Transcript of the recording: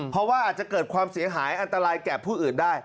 เพราะว่าอาจจะเกิดความเสียหายอันตรายแก่ผู้อื่นได้